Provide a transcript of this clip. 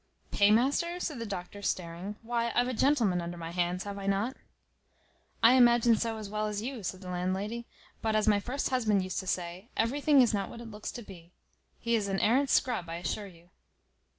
"Paymaster!" said the doctor, staring; "why, I've a gentleman under my hands, have I not?" "I imagined so as well as you," said the landlady; "but, as my first husband used to say, everything is not what it looks to be. He is an arrant scrub, I assure you.